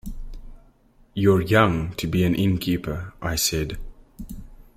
“You’re young to be an innkeeper,” I said.